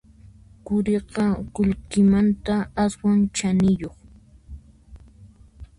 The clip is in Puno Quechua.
Quriqa qullqimanta aswan chaniyuq